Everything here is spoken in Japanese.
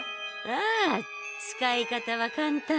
ああ使い方は簡単。